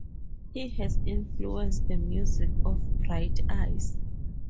He has influenced the music of Bright Eyes.